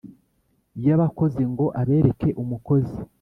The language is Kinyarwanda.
yabakozi ngo abereke umukozi